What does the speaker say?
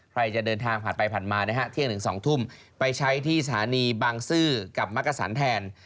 ใครจะเดินทางผ่านไปผ่านมานะฮะเที่ยงถึง๒ทุ่มไปใช้ที่สถานีบางซื่อกับมักกษันแทน